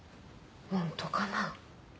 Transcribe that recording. ホントかな。